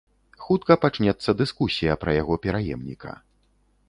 Хутка пачнецца дыскусія пра яго пераемніка.